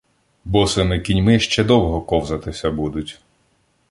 Босими кіньми ще довго ковзатися будуть.